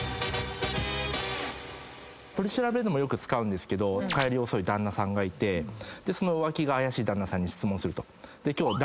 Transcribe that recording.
取り調べでもよく使うんですけど帰り遅い旦那さんがいて浮気が怪しい旦那さんに質問すると。